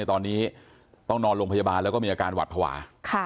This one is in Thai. ตอนนี้ต้องนอนโรงพยาบาลแล้วก็มีอาการหวัดภาวะ